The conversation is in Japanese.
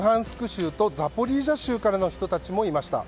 州とザポリージャ州の人たちもいました。